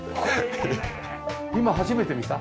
今初めて見た？